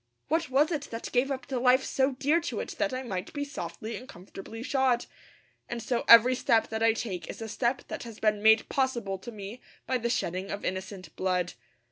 What was it that gave up the life so dear to it that I might be softly and comfortably shod? And so every step that I take is a step that has been made possible to me by the shedding of innocent blood.